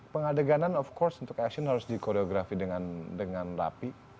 pengadeganan tentu saja untuk aksi harus dikoreografi dengan rapi